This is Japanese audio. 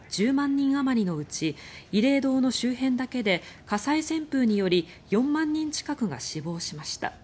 人あまりのうち慰霊堂の周辺だけで火災旋風により４万人近くが死亡しました。